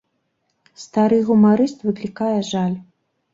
Стары гумарыст выклікае жаль.